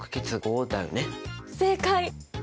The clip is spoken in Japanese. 正解！